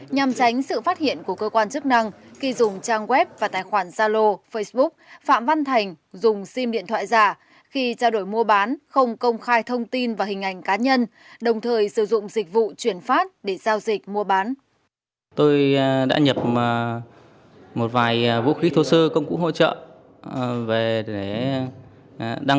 nhằm tránh sự phát hiện của cơ quan chức năng khi dùng trang web và tài khoản gia lô facebook phạm văn thành dùng sim điện thoại giả khi trao đổi mua bán không công khai thông tin và hình ảnh cá nhân đồng thời sử dụng dịch vụ chuyển phát để giao dịch mua bán